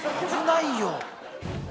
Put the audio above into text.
危ないよ。